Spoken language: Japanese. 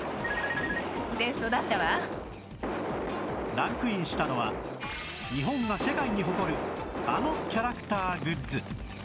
ランクインしたのは日本が世界に誇るあのキャラクターグッズ